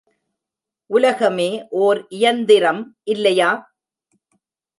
உலகமே ஓர் இயந்திரம், இல்லையா?